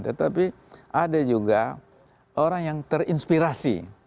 tetapi ada juga orang yang terinspirasi